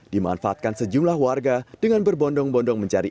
dimanfaatkan sejumlah warga dengan berbondong bondong mencari